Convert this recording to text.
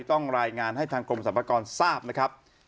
ต้องรายงานให้ทางกรมสรรพากรทราบนะครับ